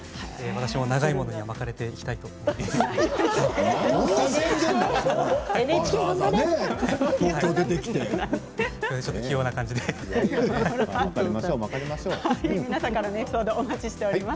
私も、長いものには巻かれていきたいと思います。